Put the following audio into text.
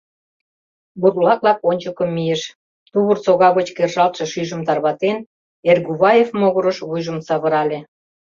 Бурлак-влак ончыко мийыш, тувыр сога гоч кержалтше шӱйжым тарватен, Эргуваев могырыш вуйжым савырале.